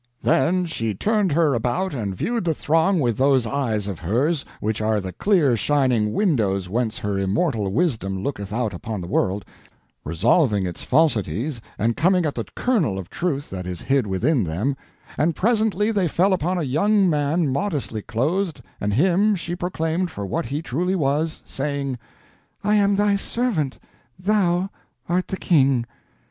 "Then she turned her about and viewed the throng with those eyes of hers, which are the clear shining windows whence her immortal wisdom looketh out upon the world, resolving its falsities and coming at the kernel of truth that is hid within them, and presently they fell upon a young man modestly clothed, and him she proclaimed for what he truly was, saying, 'I am thy servant—thou art the King!'